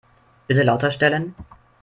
Bitte lauter stellen.